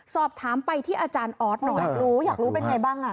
สอบถามไปที่อาจารย์ออสหน่อยรู้อยากรู้เป็นไงบ้าง